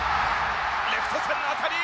レフト線の当たり！